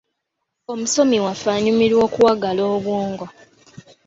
Omusomi waffe anyumirwa okuwagala obwongo.